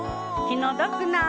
きのどくな。